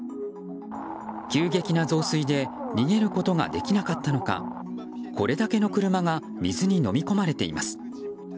急激な増水で逃げることができなかったのかこれだけの車が水にのみ込まれています。